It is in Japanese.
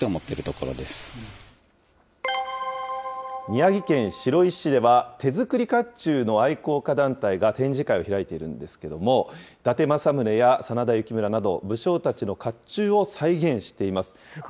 宮城県白石市では、手作りかっちゅうの愛好家団体が展示会を開いているんですけれども、伊達政宗や真田幸村など、武将たちのかっちゅうを再現しています。